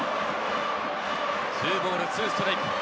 ２ボール２ストライク。